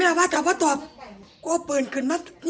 อันดับสุดท้ายก็คืออันดับสุดท้าย